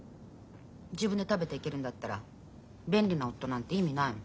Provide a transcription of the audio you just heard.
自分で食べていけるんだったら便利な夫なんて意味ないもん。